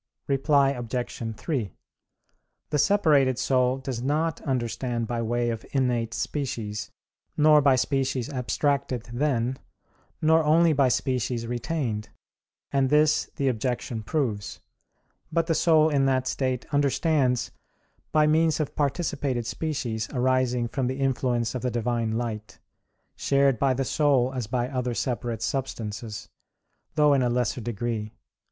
Reply Obj. 3: The separated soul does not understand by way of innate species, nor by species abstracted then, nor only by species retained, and this the objection proves; but the soul in that state understands by means of participated species arising from the influence of the Divine light, shared by the soul as by other separate substances; though in a lesser degree.